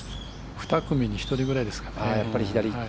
２組に１人ぐらいですかね。